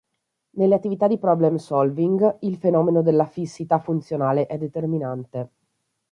Nelle attività di problem solving il fenomeno della fissità funzionale è determinante.